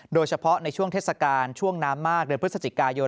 โดยเฉพาะในช่วงเทศกาลช่วงน้ำมากเดือนพฤศจิกายน